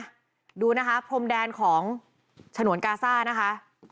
ดูนะคะพรมแดนของฉนวนกาซ่านะคะ